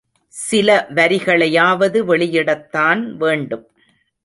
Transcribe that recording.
சில வரிகளையாவது வெளியிடத்தான் வேண்டும்.